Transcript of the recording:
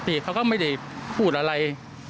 เขาก็ไม่ได้พูดอะไร